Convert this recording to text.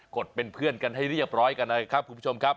ดเป็นเพื่อนกันให้เรียบร้อยกันนะครับคุณผู้ชมครับ